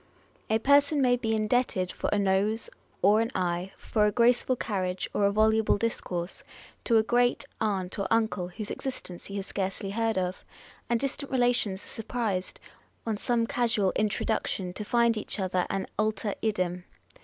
1 A person may be indebted for a nose or an eye, for a graceful carriage or a voluble discourse, to a great aunt or uncle, whose existence he has scarcely heard of ; and distant relations are surprised, on some casual introduction, to find each other an alter idem.